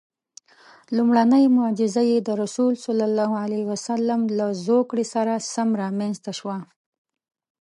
لومړنۍ معجزه یې د رسول الله له زوکړې سره سم رامنځته شوه.